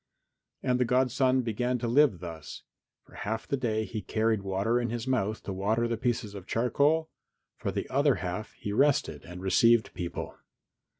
And the godson began to live thus for half the day he carried water in his mouth to water the pieces of charcoal, for the other half he rested and received people.